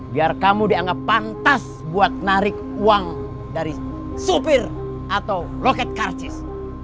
biar kamu dianggap pantas buat narik uang dari supir atau loket karcis